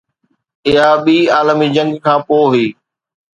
اها ٻي عالمي جنگ کان پوءِ هئي